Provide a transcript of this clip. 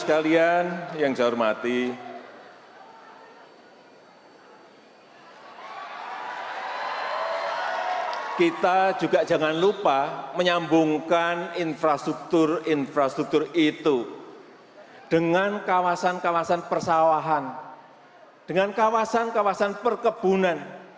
arahnya harus ke sana